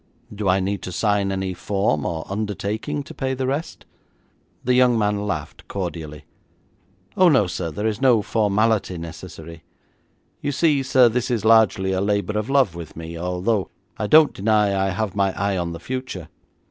'Do I need to sign any form or undertaking to pay the rest?' The young man laughed cordially. 'Oh, no, sir, there is no formality necessary. You see, sir, this is largely a labour of love with me, although I don't deny I have my eye on the future.